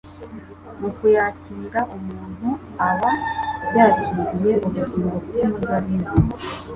Mu kuyakira umuntu aba yakiriye ubugingo bw'umuzabibu.